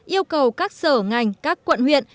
yêu cầu các sở ngành các quận huyện